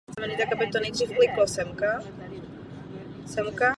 Je součástí Pražské integrované dopravy.